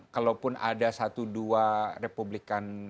kalau pun ada satu dua republikan